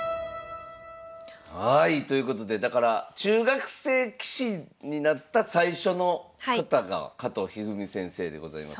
はいということでだから中学生棋士になった最初の方が加藤一二三先生でございます。